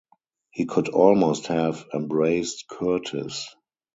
He could almost have embraced Curtis.